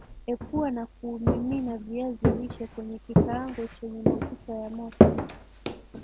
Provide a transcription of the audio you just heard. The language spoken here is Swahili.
Epua na kumimina viazi lishe kwenye kikaango chenye mafuta ya moto